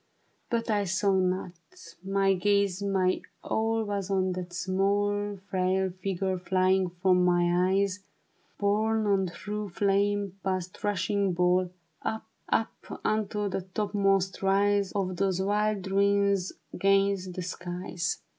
But I saw not ; my gaze, my all Was on that small Frail figure flying from my eyes. Borne on through flame, past rushing ball, Up, up, unto the topmost rise Of those wild ruins 'gainst the skies.